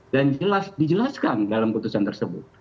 dan dijelaskan dalam keputusan tersebut